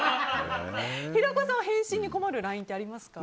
平子さん、返信に困るＬＩＮＥってありますか？